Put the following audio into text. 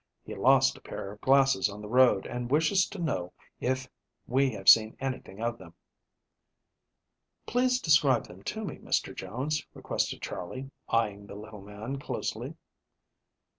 "He lost a pair of glasses on the road, and wishes to know if we have seen anything of them." "Please describe them to me, Mr. Jones," requested Charley, eyeing the little man closely.